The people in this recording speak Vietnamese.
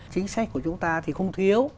chính sách của chúng ta thì không thiếu